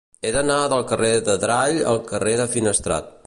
He d'anar del carrer d'Adrall al carrer de Finestrat.